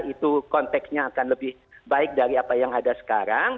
itu konteksnya akan lebih baik dari apa yang ada sekarang